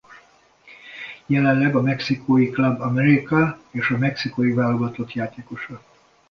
Jelenleg a mexikói Club América és a mexikói válogatott játékosa.